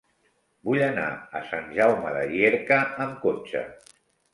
Vull anar a Sant Jaume de Llierca amb cotxe.